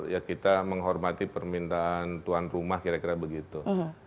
ya kita menghormati permintaan tuan rumah kira kira begitu